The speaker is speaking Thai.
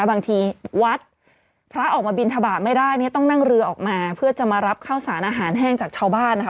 บางทีวัดพระออกมาบินทบาทไม่ได้เนี่ยต้องนั่งเรือออกมาเพื่อจะมารับข้าวสารอาหารแห้งจากชาวบ้านนะคะ